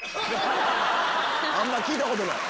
あんまり聞いたことない。